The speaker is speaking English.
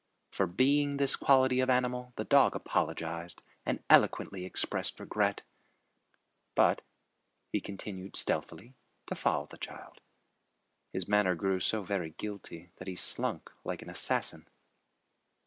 For being this quality of animal the dog apologized and eloquently expressed regret, but he continued stealthily to follow the child. His manner grew so very guilty that he slunk like an assassin.